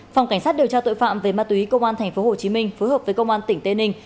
phòng cảnh sát điều tra tội phạm về ma túy công an tp hcm phối hợp với công an tỉnh tây ninh